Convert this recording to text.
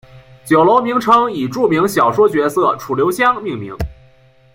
酒楼名称以著名小说角色楚留香命名。